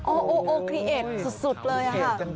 โอ้โหโอ้โหเคลียร์สุดเลยฮะ